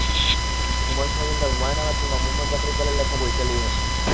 সমরেশ মজুমদার, হু্মায়ূন আহমেদ কিংবা মুহম্মদ জাফর ইকবালের লেখা বই, পেলেই হলো।